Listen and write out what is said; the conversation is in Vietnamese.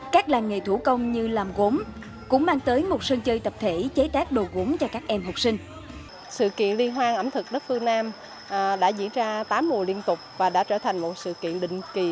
các làng nghề thủ công như làm gốm cũng mang tới một sân chơi tập thể chế tác đồ gốm cho các em học sinh